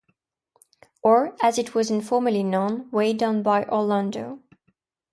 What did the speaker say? Or, as it was informally known, "Way Down By Orlando".